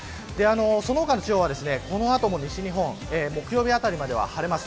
その他の地方はこの後も西日本、木曜日あたりまでは晴れます。